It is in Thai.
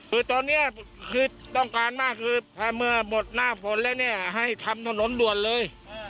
คือตอนนี้คือต้องการมากคือเมื่อหมดหน้าผลแล้วให้ทำหนดด่วนเลย